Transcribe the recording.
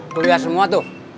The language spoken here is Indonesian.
tuh liat semua tuh